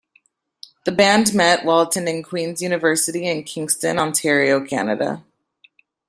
The band met while attending Queen's University in Kingston, Ontario, Canada.